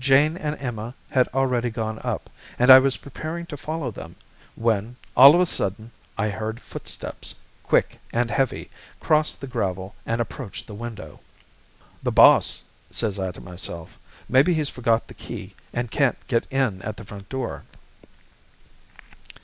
Jane and Emma had already gone up, and I was preparing to follow them, when, all of a sudden, I heard footsteps, quick and heavy, cross the gravel and approach the window. "'The boss,' says I to myself; 'maybe he's forgot the key and can't get in at the front door.'